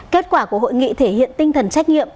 kết quả của hội nghị thể hiện tinh thần trách nhiệm